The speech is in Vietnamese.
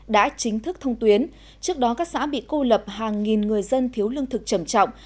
đã chính thức thông tuyến trước đó các xã bị cô lập hàng nghìn người dân thiếu lương thực trầm trọng